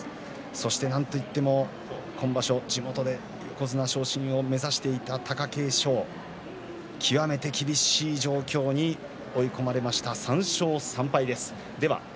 そして、今場所地元で横綱昇進を目指していた貴景勝極めて厳しい状況に追い込まれました。